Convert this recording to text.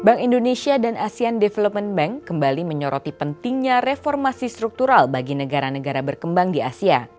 bank indonesia dan asean development bank kembali menyoroti pentingnya reformasi struktural bagi negara negara berkembang di asia